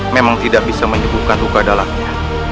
memang tidak bisa menyembuhkan ruka dalangnya